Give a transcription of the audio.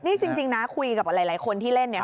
นี่จริงนะคุยกับหลายคนที่เล่นเนี่ย